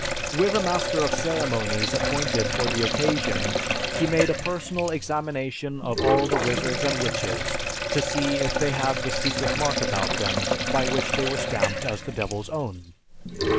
With a master of ceremonies appointed for the occasion, he made a personal examination of all the wizards and witches, to see if they had the secret mark about them by which they were stamped as the Devil's own.